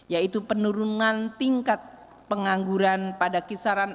yaitu penurunan tingkat pengangguran pasar keuangan